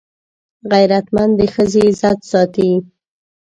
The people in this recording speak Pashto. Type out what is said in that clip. غیرتمند د ښځې عزت ساتي